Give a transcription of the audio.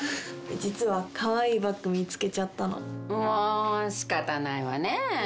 実はかわいいバッグ見つけちゃったのもうしかたないわね